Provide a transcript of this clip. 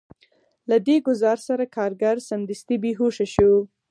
له دې ګزار سره کارګر سمدستي بې هوښه شو